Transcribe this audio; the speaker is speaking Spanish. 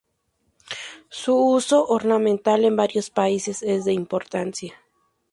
Su uso ornamental en varios países es de importancia.